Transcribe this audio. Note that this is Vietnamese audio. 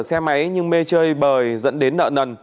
làm nghề sửa xe máy nhưng mê chơi bời dẫn đến nợ nần